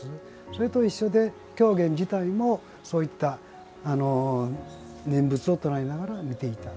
それと一緒で狂言自体も念仏を唱えながら見ていた。